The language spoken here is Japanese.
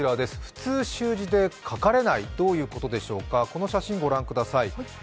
ふつう習字で書かれない、どういうことでしょうか、この写真をご覧ください。